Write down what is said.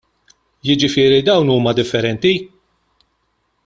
Jiġifieri dawn huma differenti?